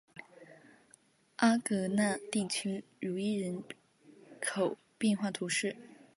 阿戈讷地区茹伊人口变化图示